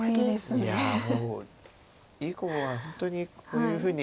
いやもう囲碁は本当にこういうふうに。